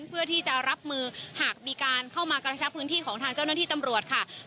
เพื่อที่จะรับมือหากมีการเข้ามากระชับพื้นที่ของทางเจ้าหน้าที่ตำรวจค่ะ